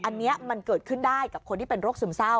อันนี้มันเกิดขึ้นได้กับคนที่เป็นโรคซึมเศร้า